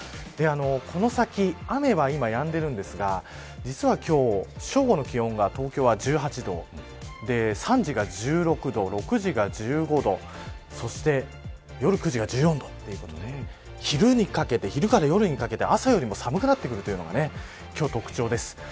この先雨は今、やんでるんですが実は今日、正午の気温が東京は１８度で３時が１６度、６時が１５度そして夜９時が１４度ということで昼から夜にかけて、朝よりも寒くなってくるというのが今日の特徴です。